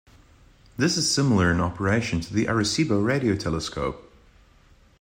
This is similar in operation to the Arecibo Radio Telescope.